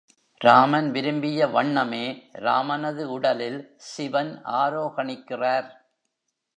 ராமன் விரும்பிய வண்ணமே ராமனது உடலில் சிவன் ஆரோகணிக்கிறார்.